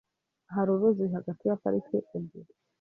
Hari uruzi hagati ya parike ebyiri?